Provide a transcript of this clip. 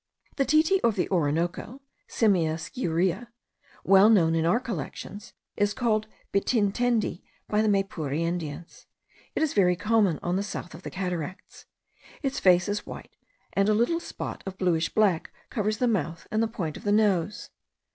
The titi of the Orinoco (Simia sciurea), well known in our collections, is called bititeni by the Maypure Indians. It is very common on the south of the cataracts. Its face is white; and a little spot of bluish black covers the mouth and the point of the nose.